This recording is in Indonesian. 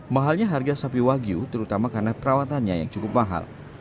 mahalnya harga sapi wagyu terutama karena perawatannya yang cukup mahal